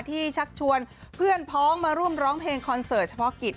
ชักชวนเพื่อนพ้องมาร่วมร้องเพลงคอนเสิร์ตเฉพาะกิจ